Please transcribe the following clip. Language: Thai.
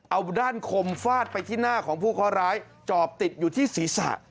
เอาด้านคมฟาดไปที่หน้าของผู้เคาะร้ายจอบติดอยู่ที่ศีรษะ